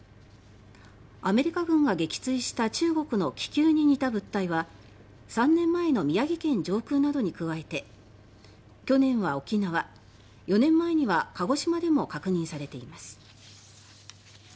アメリカ軍が撃墜した中国の気球に似た物体は３年前の宮城県上空などに加えて去年は沖縄４年前には鹿児島でも確認されています。